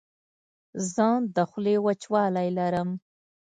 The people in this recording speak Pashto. زه د خولې وچوالی لرم.